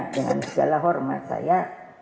dengan segala hormat saya